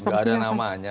gak ada namanya